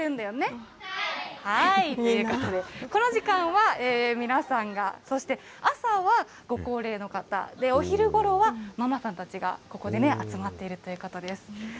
はい、ということで、この時間は皆さんが、そして朝はご高齢の方、お昼ごろは、ママさんたちがここでね、集まっているということです。